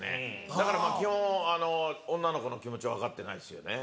だから基本女の子の気持ち分かってないですよね。